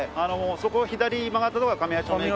そこを左に曲がったところが神谷町の駅。